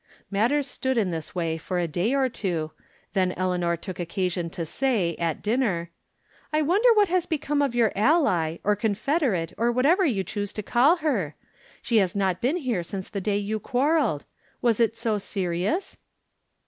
Matters. stood in this way for a day or two, then Eleanor took occa'sion to say, at dinner :" I wonder what has become of your ally, or confederate, or whatever you choose to caU her ? She has not been here since the day you quar reled. Was it so serious